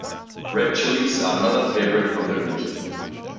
Red chilies are another favorite from the region.